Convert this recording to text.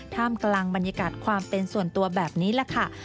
ท่ามกลางบรรยากาศความเป็นส่วนตัวแบบนี้แหละค่ะ